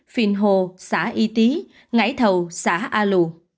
phiền hồ xã y tí ngãi thầu xã a lô